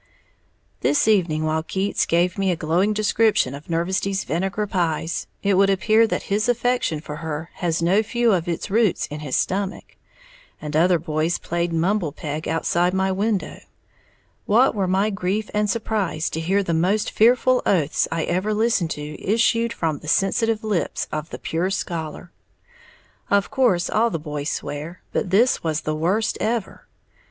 This evening while Keats gave me a glowing description of Nervesty's vinegar pies (it would appear that his affection for her has no few of its roots in his stomach) and the other boys played numble peg outside my window, what were my grief and surprise to hear the most fearful oaths I ever listened to issue from the sensitive lips of the "pure scholar." Of course all the boys swear; but this was the worst ever.